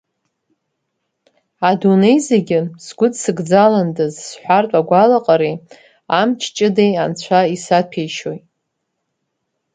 Адунеи зегьы сгәыдсыгӡаландаз сҳәартә агәалаҟареи, амч ҷыдеи анцәа исаҭәеишьоит.